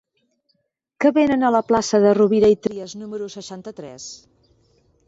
Què venen a la plaça de Rovira i Trias número seixanta-tres?